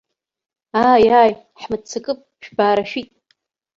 Ааи-ааи, ҳмыццакып, шәбаарашәит.